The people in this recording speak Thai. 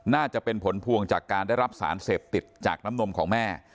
น่าจะเป็นผลพวงจากการได้รับสารเสพติดจากน้ำนมของแม่